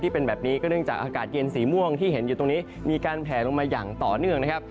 เป็นแบบนี้ก็เนื่องจากอากาศเย็นสีม่วงที่เห็นอยู่ตรงนี้มีการแผลลงมาอย่างต่อเนื่องนะครับ